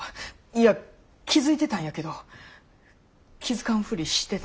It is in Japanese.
いや気付いてたんやけど気付かんふりしてただけや。